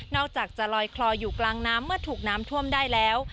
อกจากจะลอยคลออยู่กลางน้ำเมื่อถูกน้ำท่วมได้แล้ว